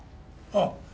あっ！